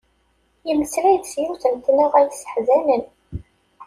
Yemmeslay-d s yiwet n tnaɣa yesseḥzanen.